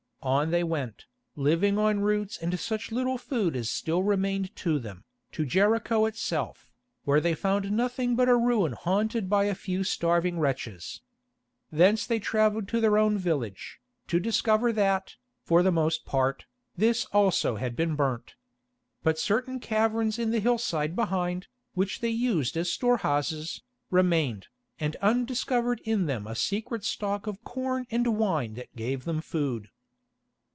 On they went, living on roots and such little food as still remained to them, to Jericho itself, where they found nothing but a ruin haunted by a few starving wretches. Thence they travelled to their own village, to discover that, for the most part, this also had been burnt. But certain caverns in the hillside behind, which they used as store houses, remained, and undiscovered in them a secret stock of corn and wine that gave them food.